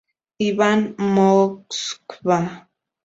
Iván Moskva.